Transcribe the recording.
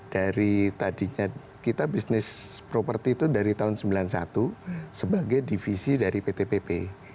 dari tadinya kita bisnis properti itu dari tahun seribu sembilan ratus sembilan puluh satu sebagai divisi dari pt pp